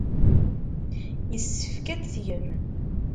Yessefk ad t-tgem.